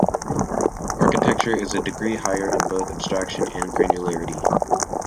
Architecture is a degree higher in both abstraction and granularity.